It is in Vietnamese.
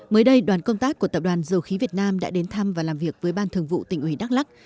mới đây đoàn công tác của tập đoàn dầu khí việt nam đã đến thăm và làm việc với ban thường vụ tỉnh ủy đắk lắc